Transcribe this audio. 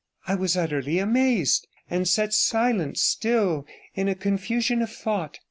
66 I was utterly amazed, and sat silent, still in a confusion of thought.